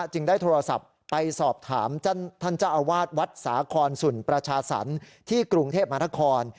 จึงได้โทรศัพท์ไปสอบถามท่านเจ้าอาวาสวัดสาคอนสุนประชาสรรค์ที่กรุงเทพมหานคร